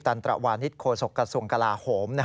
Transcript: ตระวานิสโคศกระทรวงกลาโหม